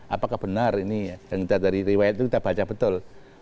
apakah benar ini dan kita dari riwayat itu kita baca betul